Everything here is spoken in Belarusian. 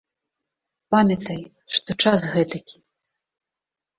Памятай, што час гэтакі.